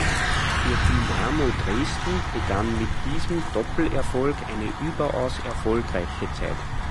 Für Dynamo Dresden begann mit diesem Doppelerfolg eine überaus erfolgreiche Zeit.